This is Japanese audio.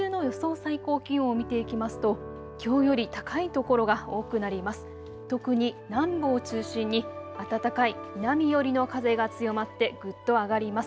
最高気温を見ていきますと、きょうより高い所が多くなります。